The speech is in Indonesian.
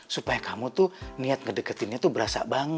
supaya kamu tuh niat ngedeketinnya tuh berasa banget